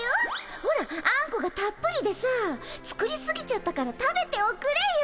ほらあんこがたっぷりでさ作りすぎちゃったから食べておくれよ。